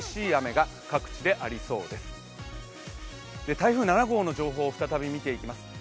台風７号の情報を再び見ていきます。